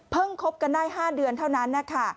คบกันได้๕เดือนเท่านั้นนะคะ